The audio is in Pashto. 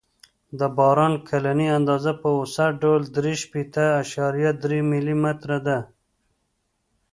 د باران کلنۍ اندازه په اوسط ډول درې شپېته اعشاریه درې ملي متره ده